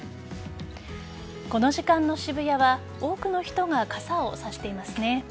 この時間の渋谷は多くの人が傘を差していますね。